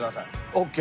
ＯＫ。